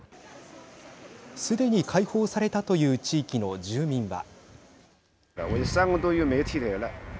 すでに解放されたという地域の住民は。